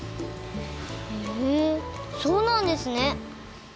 へえそうなんですね。